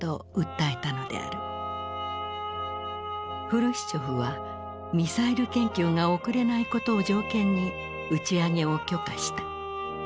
フルシチョフはミサイル研究が遅れないことを条件に打ち上げを許可した。